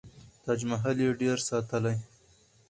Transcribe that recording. تاج محل یې ډېر ستایلی.